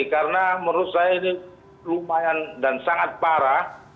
karena menurut saya ini lumayan dan sangat parah